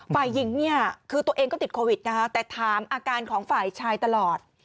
ฝ่ายหญิงเนี่ยคือตัวเองก็ติดโควิดนะคะแต่ถามอาการของฝ่ายชายตลอด